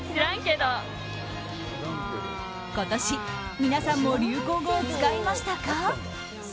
今年、皆さんも流行語を使いましたか？